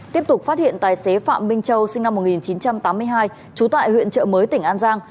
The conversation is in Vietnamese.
tiếp tục phát hiện tài xế phạm minh châu sinh năm một nghìn chín trăm tám mươi hai trú tại huyện trợ mới tỉnh an giang